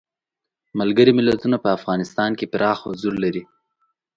ملګري ملتونه په افغانستان کې پراخ حضور لري.